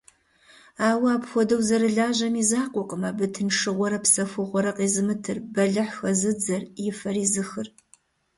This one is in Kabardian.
Ауэ апхуэдэу зэрылажьэм и закъуэкъым абы тыншыгъуэрэ псэхугъуэрэ къезымытыр, бэлыхь хэзыдзэр, и фэр изыхыр.